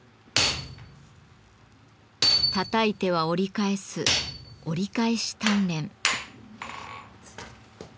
たたいては折り返す「折り返し鍛錬」。